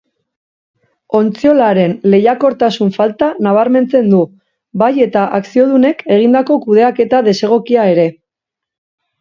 Ontziolaren lehiakortasun falta nabarmentzen du, bai eta akziodunek egindako kudeaketa desegokia ere.